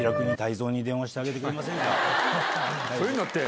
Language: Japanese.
そういうのって。